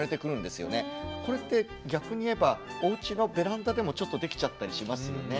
これって逆に言えばおうちのベランダでもちょっとできちゃったりしますよね。